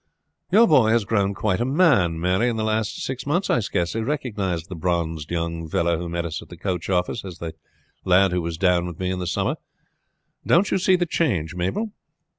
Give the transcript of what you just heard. "Your boy has grown quite a man, Mary, in the last six months. I scarcely recognized the bronzed young fellow who met vis at the coach office as the lad who was down with me in the summer. Don't you see the change, Mabel?"